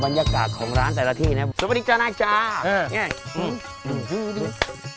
บรรยากาศของร้านแต่ละที่นะสวัสดีจะนะจ้าเออนี่